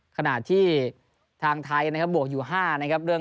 ขณะที่ทางไทยบวกอยู่๕นะครับ